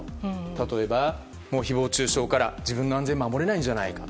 例えば、誹謗中傷から自分の安全を守れないんじゃないか。